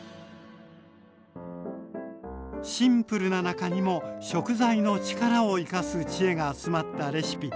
シンプルな中にも食材の力を生かす知恵が集まったレシピ。